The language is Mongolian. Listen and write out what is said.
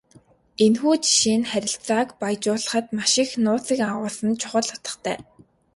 Энэхүү жишээ нь харилцааг баяжуулахад маш их нууцыг агуулсан чухал утгатай.